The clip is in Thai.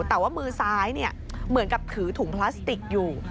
แต่ว่ามือซ้ายเหมือนกับถือถุงพลาสติกอยู่